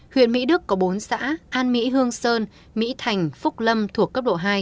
huyện mỹ đức có bốn xã an mỹ hương sơn mỹ thành phúc lâm thuộc cấp độ hai